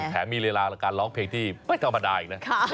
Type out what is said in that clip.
แม้มีเวลาการร้องเพลงที่ไม่ธรรมดาอีกนะ